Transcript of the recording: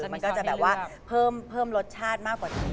มันก็จะแบบว่าเพิ่มรสชาติมากกว่านี้